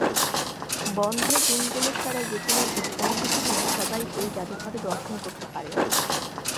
বন্ধের দিনগুলো ছাড়া যেকোন দিন অনুমতি নিয়ে সবাই এই জাদুঘর দর্শন করতে পারে।